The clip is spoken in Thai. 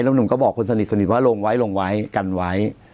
หนุ่มก็บอกคนสนิทว่าลงไว้ลงไว้กันไว้